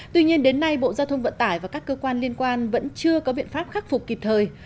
tuy nhiên đến nay bộ giao thông vận tải và các cơ quan liên quan vẫn chưa có biện pháp khắc phục kịp thời